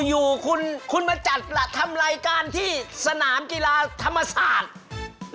อยู่คุณมาจัดล่ะทำรายการที่สนามกีฬาธรรมศาสตร์